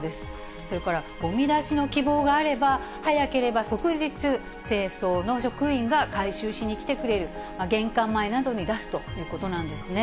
それから、ごみ出しの希望があれば、早ければ即日、清掃の職員が回収しに来てくれる、玄関前などに出すということなんですね。